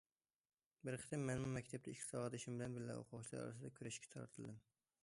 بىر قېتىم مەنمۇ مەكتەپتە ئىككى ساۋاقدىشىم بىلەن بىللە ئوقۇغۇچىلار ئارىسىدا كۈرەشكە تارتىلدىم.